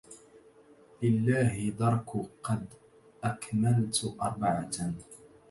لله درك قد أكملت أربعة